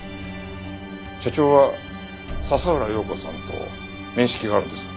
社長は佐々浦洋子さんと面識があるんですか？